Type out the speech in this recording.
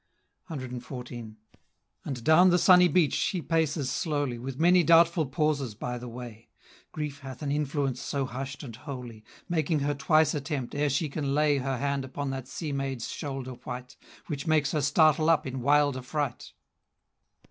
CXIV. And down the sunny beach she paces slowly, With many doubtful pauses by the way; Grief hath an influence so hush'd and holy, Making her twice attempt, ere she can lay Her hand upon that sea maid's shoulder white, Which makes her startle up in wild affright.